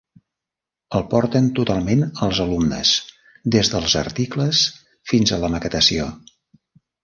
El porten totalment els alumnes, des dels articles fins a la maquetació.